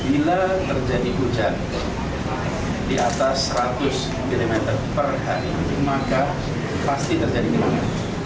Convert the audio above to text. bila terjadi hujan di atas seratus mm per hari maka pasti terjadi genangan